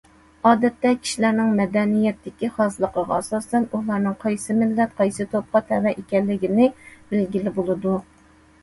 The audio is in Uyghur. ئادەتتە، كىشىلەرنىڭ مەدەنىيەتتىكى خاسلىقىغا ئاساسەن، ئۇلارنىڭ قايسى مىللەت، قايسى توپقا تەۋە ئىكەنلىكىنى بىلگىلى بولىدۇ.